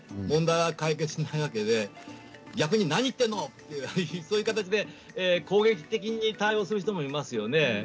問題は解決しないわけで逆に何言っているのとそういう形で攻撃的に対応する方もいますよね。